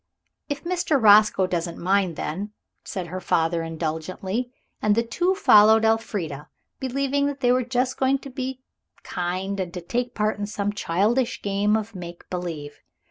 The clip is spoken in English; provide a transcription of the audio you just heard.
"If Mr. Roscoe doesn't mind, then," said her father indulgently. And the two followed Elfrida, believing that they were just going to be kind and to take part in some childish game of make believe.